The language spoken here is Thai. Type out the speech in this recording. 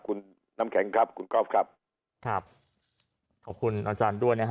คุณน้ำแข็งครับคุณก๊อฟครับครับขอบคุณอาจารย์ด้วยนะฮะ